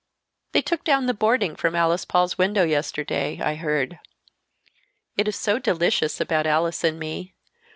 "They took down the boarding from Alice Paul's window yesterday, I heard. It is so delicious about Alice and me.